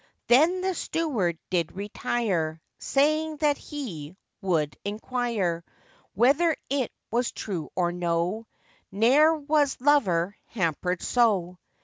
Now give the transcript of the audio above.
Then the steward did retire, Saying, that he would enquire Whether it was true or no: Ne'er was lover hampered so.